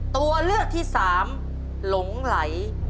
ตัวเลือกที่สามหลงไหล